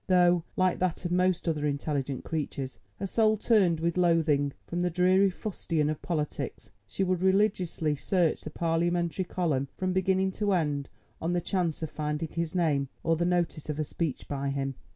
Though, like that of most other intelligent creatures, her soul turned with loathing from the dreary fustian of politics, she would religiously search the parliamentary column from beginning to end on the chance of finding his name or the notice of a speech by him.